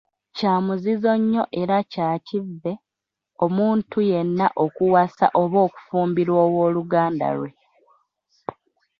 Kya muzizo nnyo era kya kivve, omuntu yenna okuwasa oba okufumbirwa ow'oluganda lwe.